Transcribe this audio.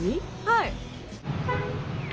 はい。